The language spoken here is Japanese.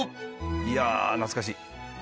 いや懐かしい。